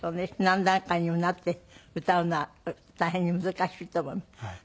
何段階にもなって歌うのは大変に難しいと思います。